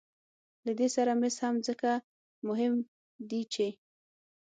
له دې سره مس هم ځکه مهم دي چې